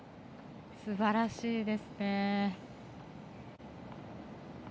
すばらしいですね。